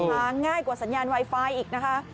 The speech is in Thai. หาง่ายกว่าสัญญาณไวไฟอีกนะคะ